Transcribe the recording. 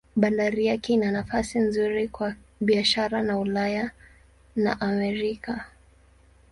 Bandari yake ina nafasi nzuri kwa biashara na Ulaya na Amerika.